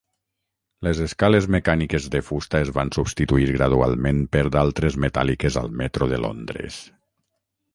Les escales mecàniques de fusta es van substituir gradualment per d"altres metàl·liques al metro de Londres.